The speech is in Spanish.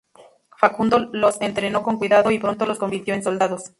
Facundo los entrenó con cuidado y pronto los convirtió en soldados.